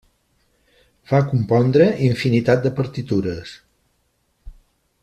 Va compondre infinitat de partitures.